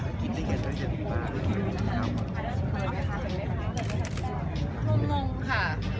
ก็ว่าจะไปเอ่อเที่ยวเล่นนิดหนึ่งนะแต่ช่วยอีกนึงไม่ออก